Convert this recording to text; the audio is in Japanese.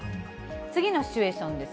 次のシチュエーションです。